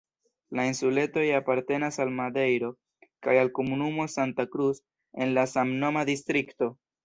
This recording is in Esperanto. La insuletoj apartenas al Madejro kaj al komunumo Santa Cruz en la samnoma distrikto.